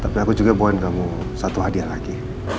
tapi aku juga bond kamu satu hadiah lagi